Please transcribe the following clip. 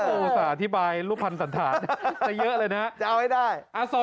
เออจะอุตส่าห์อธิบายรูปพันธ์สันธาตุจะเยอะเลยนะครับจะเอาให้ได้